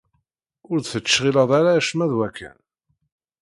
Ur d-tecɣileḍ ara acemma d wakken?